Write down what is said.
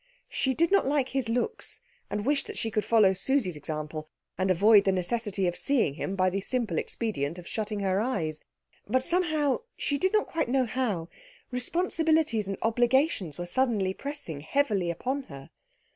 She did not like his looks, and wished that she could follow Susie's example and avoid the necessity of seeing him by the simple expedient of shutting her eyes. But somehow, she did not quite know how, responsibilities and obligations were suddenly pressing heavily upon her.